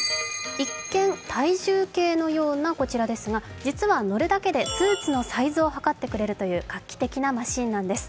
一見、体重計のようなこちらですが実は乗るだけでスーツのサイズをはかってくれるという画期的なマシンなんです。